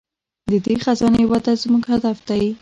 د دې خزانې وده زموږ هدف دی.